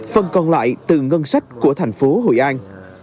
phần còn lại từ ngân sách của thành phố hội an